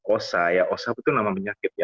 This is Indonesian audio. osa osa itu nama penyakit